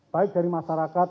baik dari masyarakat